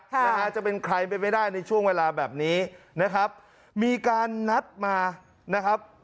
ค่ะนะฮะจะเป็นใครไปไม่ได้ในช่วงเวลาแบบนี้นะครับมีการนัดมานะครับ